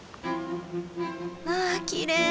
わあきれい！